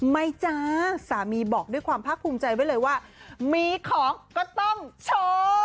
ไม่จ้าสามีบอกด้วยความภาคภูมิใจไว้เลยว่ามีของก็ต้องโชว์